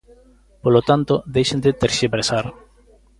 Polo tanto, deixen de terxiversar.